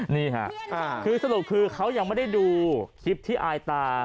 นี่ค่ะคือสรุปคือเขายังไม่ได้ดูคลิปที่อายตา